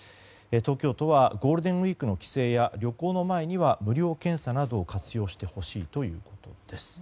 東京都はゴールデンウィークの帰省や旅行の前には無料検査を活用してほしいということです。